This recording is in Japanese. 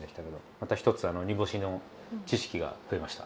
また一つ煮干しの知識が増えました。